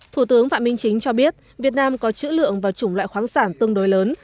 thủ tướng phạm minh chính cho biết việt nam có chữ lượng và chủng loại khoáng sản tương đối lớn